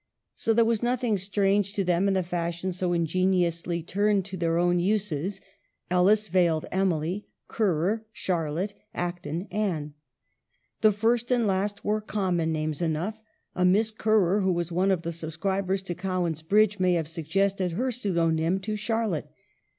So there was nothing strange to them in the fashion so ingeniously turned to their own uses; Ellis veiled Emily; Currer, Charlotte ; Acton, Anne. The first and last are common names enough — a Miss Currer who was one of the subscribers to Cowan's Bridge may have suggested her pseudonym to Char lotte.